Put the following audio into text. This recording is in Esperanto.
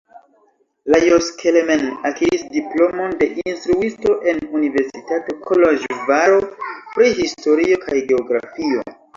Lajos Kelemen akiris diplomon de instruisto en Universitato Koloĵvaro pri historio kaj geografio.